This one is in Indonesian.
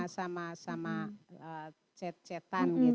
sama sama chat chatan gitu